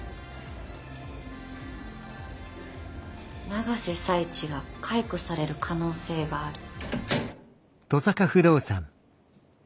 永瀬財地が解雇される可能性がある？